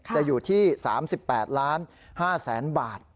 อยู่ที่๓๘๕๐๐๐๐บาท